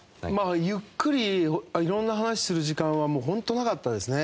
ゆっくりいろんな話する時間は本当なかったですね。